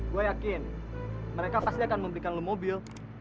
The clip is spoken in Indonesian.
gua yakin mereka pasti akan memberikan lu mobil